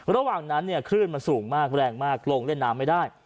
ระหว่างนั้นเนี่ยคลื่นมันสูงมากแรงมากลงเล่นน้ำไม่ได้